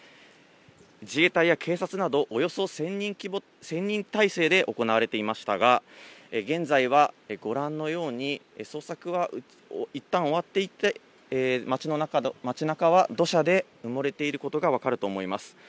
自衛隊や警察など、およそ１０００人態勢で行われていましたが、現在はご覧のように、捜索はいったん終わっていて、町なかは土砂で埋もれていることが分かると思います。